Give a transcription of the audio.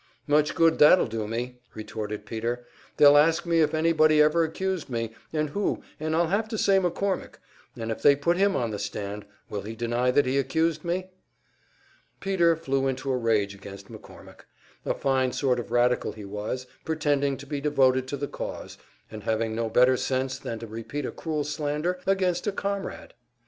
"Much good that'll do me!" retorted Peter. "They'll ask me if anybody ever accused me, and who, and I'll have to say McCormick, and if they put him on the stand, will he deny that he accused me?" Peter flew into a rage against McCormick; a fine sort of radical he was, pretending to be devoted to the cause, and having no better sense than to repeat a cruel slander against a comrade!